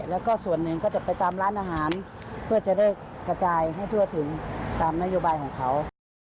แล้วก็ส่วนหนึ่งก็จะไปตามร้านอาหารเพื่อจะได้กระจายให้ทั่วถึงตามนโยบายของเขา